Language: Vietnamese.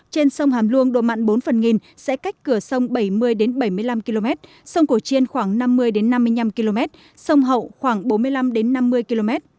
trên sông hàm luông độ mặn bốn phần nghìn sẽ cách cửa sông bảy mươi bảy mươi năm km sông cổ chiên khoảng năm mươi năm mươi năm km sông hậu khoảng bốn mươi năm năm mươi km